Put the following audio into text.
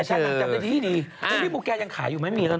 แฟชั่นจำได้ดีแฟชั่นยังขายอยู่ไหมไม่มีแล้วนะ